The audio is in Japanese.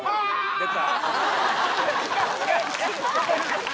出た！